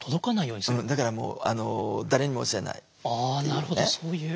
なるほどそういう。